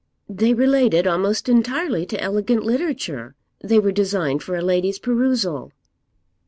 'They related almost entirely to elegant literature; they were designed for a lady's perusal.'